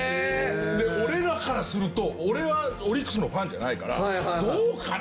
で俺らからすると俺はオリックスのファンじゃないからどうかな？